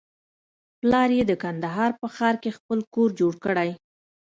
پلار يې د کندهار په ښار کښې خپل کور جوړ کړى.